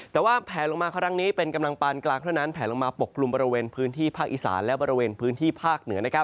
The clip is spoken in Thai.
แต่ว่าแผลลงมาครั้งนี้เป็นกำลังปานกลางเท่านั้นแผลลงมาปกกลุ่มบริเวณพื้นที่ภาคอีสานและบริเวณพื้นที่ภาคเหนือ